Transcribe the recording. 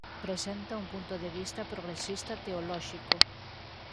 Presenta un punto de vista progresista teolóxico.